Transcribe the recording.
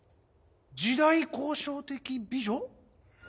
時代考証的美女？